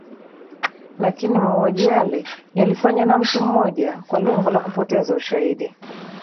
Lakini mauaji yale yalifanywa na mtu mmoja kwa lengo la kupoteza Ushahidi